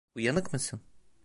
Uyanık mısın?